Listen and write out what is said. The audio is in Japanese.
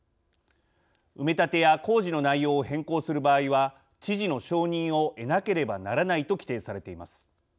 埋め立てや工事の内容を変更する場合は知事の承認を得なければならないと規定されています。